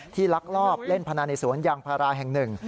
ลักลอบเล่นพนันในสวนยางพาราแห่งหนึ่ง